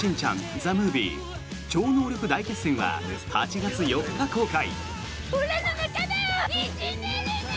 ＴＨＥＭＯＶＩＥ 超能力大決戦」は８月４日公開！